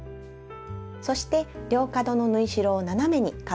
そして両角の縫い代を斜めにカットします。